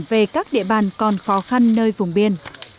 về các địa bàn còn khó khăn nơi vùng biên